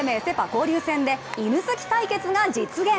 交流戦で犬好き対決が実現！